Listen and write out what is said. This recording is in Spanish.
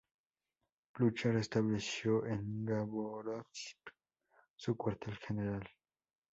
Blücher estableció en Jabárovsk su cuartel general.